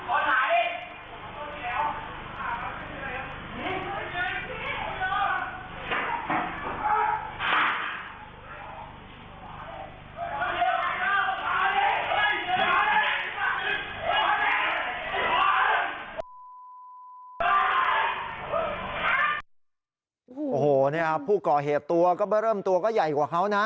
โอ้โหเนี่ยผู้ก่อเหตุตัวก็เบอร์เริ่มตัวก็ใหญ่กว่าเขานะ